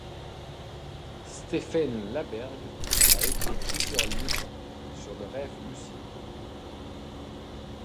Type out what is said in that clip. Stephen LaBerge a écrit plusieurs livres sur le rêve lucide.